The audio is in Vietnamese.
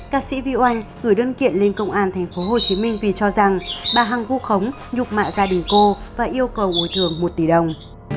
các sĩ vũ anh gửi đơn kiện lên công an tp hcm vì cho rằng bà hằng vũ khống nhục mạ gia đình cô và yêu cầu bồi thường một tỷ đồng